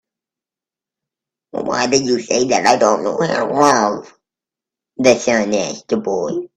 "Well, why did you say that I don't know about love?" the sun asked the boy.